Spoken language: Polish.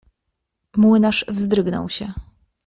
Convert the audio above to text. Młynarz wzdrygnął się.